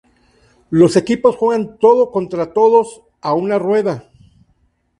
Los equipos juegan todo contra todos a una rueda.